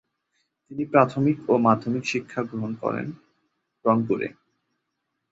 তিনি প্রাথমিক ও মাধ্যমিক শিক্ষা গ্রহণ করেন রংপুরে।